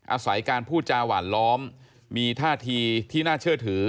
อาศัยการพูดจาหวานล้อมมีท่าทีที่น่าเชื่อถือ